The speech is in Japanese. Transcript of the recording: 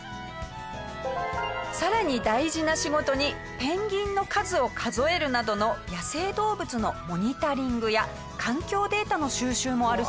さらに大事な仕事にペンギンの数を数えるなどの野生動物のモニタリングや環境データの収集もあるそうです。